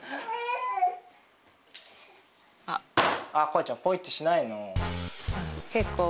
こはちゃんポイッてしないの。